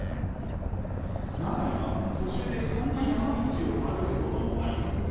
中には、途中でこんな山道を歩くこともあります。